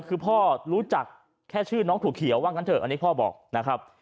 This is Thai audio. คือพ่อรู้จักแค่ชื่อน้องถั่วเขียวว่างั้นเถอะอันนี้พ่อบอกนะครับ